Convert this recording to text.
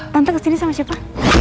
tante kesini sama siapa